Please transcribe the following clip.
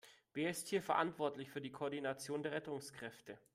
Wer ist hier verantwortlich für die Koordination der Rettungskräfte?